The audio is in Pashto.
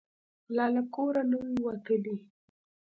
لا له کوره نه وو وتلي.